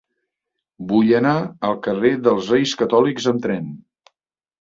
Vull anar al carrer dels Reis Catòlics amb tren.